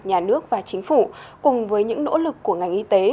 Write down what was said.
nhà nước và chính phủ cùng với những nỗ lực của ngành